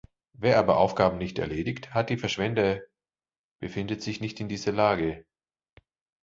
Wer aber Aufgaben nicht erledigt hat die Verschwender befindet sich nicht in dieser Lage.